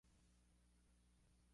Es la más aceptada universalmente.